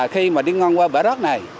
khi mà đi ngon qua vẻ rớt này